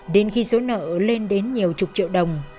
đến khi số nợ lên đến nhiều chục triệu đồng